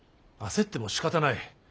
焦ってもしかたない。